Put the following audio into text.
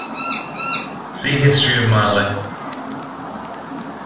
See history of Malle.